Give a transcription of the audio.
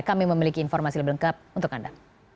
kami memiliki informasi lebih lengkap untuk anda